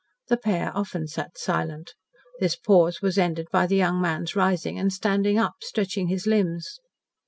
The pair often sat silent. This pause was ended by the young man's rising and standing up, stretching his limbs.